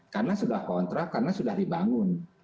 karena sudah kontrak karena sudah dibangun